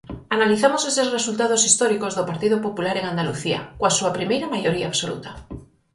Analizamos eses resultados históricos do Partido Popular en Andalucía, coa súa primeira maioría absoluta.